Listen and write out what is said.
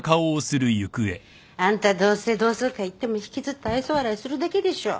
あんたどうせ同窓会行っても引きつった愛想笑いするだけでしょ。